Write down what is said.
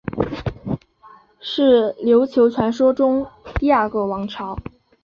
是琉球传说中第二个王朝。